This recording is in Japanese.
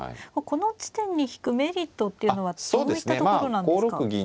この地点に引くメリットっていうのはどういったところなんですか。